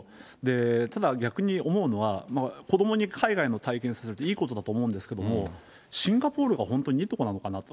ただ逆に思うのは、子どもに海外の体験させていいことだと思うんですけども、シンガポールが本当にいいとこなのかなと。